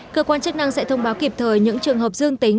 cơ quan chức năng sẽ thông báo kịp thời những trường hợp dương tính